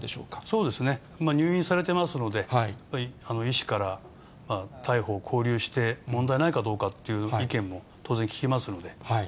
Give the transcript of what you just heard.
そうですね、入院されてますので、医師から逮捕、勾留して問題ないかどうかという意見も当然聞きますので。